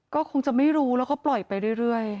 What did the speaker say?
ก็คงจะไม่รู้แล้วก็ปล่อยไปเรื่อย